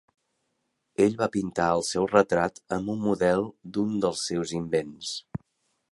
Ell va pintar el seu retrat amb un model d'un dels seus invents.